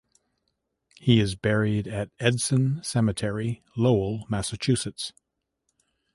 He is buried at Edson Cemetery, Lowell, Massachusetts.